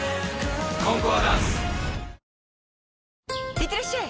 いってらっしゃい！